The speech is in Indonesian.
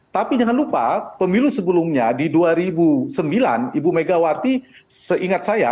tapi jangan lupa pemilu sebelumnya di dua ribu sembilan ibu megawati seingat saya